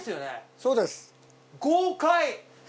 そうです。